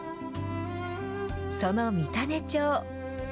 その三種町。